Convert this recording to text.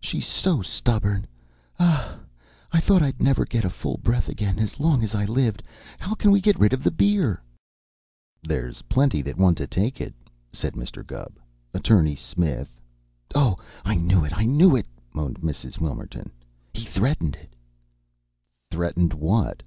She's so stubborn! Ah h! I thought I'd never get a full breath again as long as I lived. How can we get rid of the beer?" [Illustration: SHE MADE GESTURES WITH HER HANDS] "There's plenty want to take it," said Mr. Gubb. "Attorney Smith " "Oh, I knew it! I knew it!" moaned Mrs. Wilmerton. "He threatened it!" "Threatened what?"